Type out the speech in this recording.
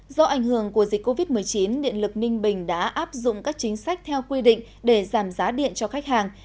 do ảnh hưởng của dịch covid một mươi chín điện lực ninh bình đã áp dụng các chính sách theo quy định để giảm giá điện cho khách hàng